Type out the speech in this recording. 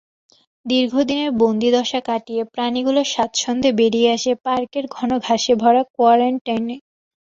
দীর্ঘদিনের বন্দিদশা কাটিয়ে প্রাণীগুলো স্বাচ্ছন্দ্যে বেরিয়ে আসে পার্কের ঘন ঘাসে ভরা কোয়ারেন্টাইনে।